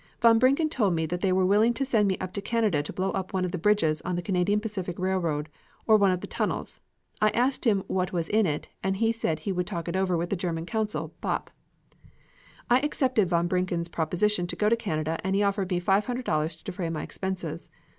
"Von Brincken told me that they were willing to send me up to Canada to blow up one of the bridges on the Canadian Pacific Railroad or one of the tunnels. I asked him what was in it and he said he would talk it over with the German consul, Bopp. "I had accepted von Brincken's proposition to go to Canada and he offered me $500 to defray my expenses.